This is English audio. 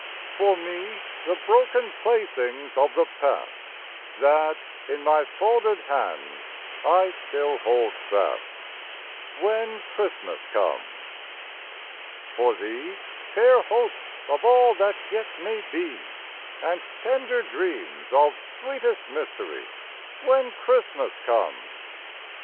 For me, the broken playthings of the past That in my folded hands I still hold fast, When Christmas comes. For thee, fair hopes of all that yet may be, And tender dreams of sweetest mystery, When Christmas comes.